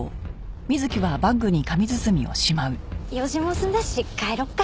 用事も済んだし帰ろうか。